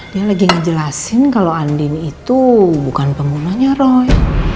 dia lagi ngejelasin kalau andin itu bukan penggunanya roy